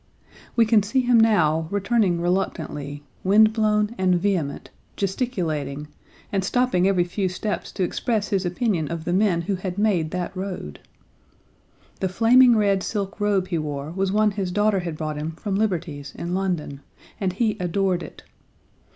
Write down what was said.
We can see him now, returning reluctantly, wind blown and vehement, gesticulating, and stopping every few steps to express his opinion of the men who had made that road! The flaming red silk robe he wore was one his daughter had brought him from Liberty's, in London, and he adored it.